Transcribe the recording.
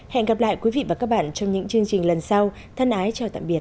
hẹn gặp lại quý vị và các bạn trong những chương trình lần sau thân ái chào tạm biệt